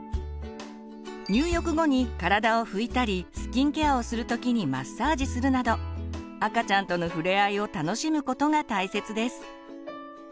入浴後に体を拭いたりスキンケアをする時にマッサージするなど赤ちゃんとの触れ合いを楽しむことが大切です。